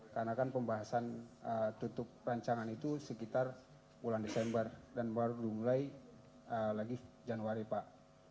karena kan pembahasan tutup rancangan itu sekitar bulan desember dan baru mulai lagi januari pak